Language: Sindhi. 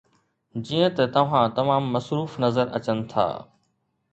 جيئن ته توهان تمام مصروف نظر اچن ٿا